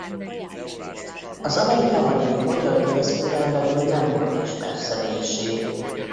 Az Amerikában élő magyar diaszpórán belül nem volt ismert személyiség.